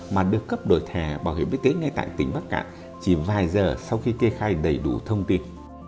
mà được cấp đổi thẻ bảo hiểm y tế ngay tại tỉnh bắc cạn chỉ vài giờ sau khi kê khai đầy đủ thông tin